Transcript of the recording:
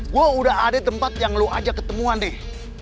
gue udah ada tempat yang lo ajak ketemuan deh